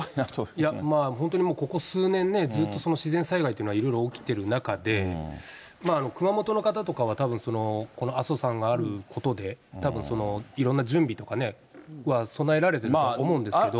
いや、まあ本当にここ数年、ずっと自然災害というのはいろいろ起きてる中で、熊本の方とかはたぶん、この阿蘇山があることで、たぶんいろんな準備とかは備えられてると思うんですけど。